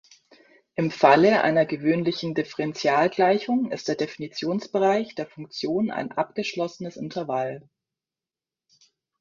Im Falle einer gewöhnlichen Differentialgleichung ist der Definitionsbereich der Funktion ein abgeschlossenes Intervall.